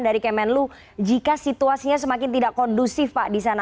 dari kemenlu jika situasinya semakin tidak kondusif pak di sana